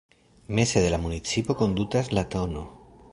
Meze de la municipo kondukas la tn.